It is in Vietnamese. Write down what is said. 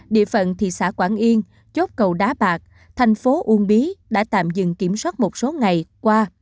địa phận thị xã quảng yên chốt cầu đá bạc thành phố uông bí đã tạm dừng kiểm soát một số ngày qua